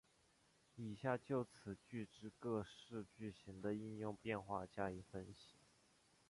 以下就此句之各式句型的应用变化加以分析。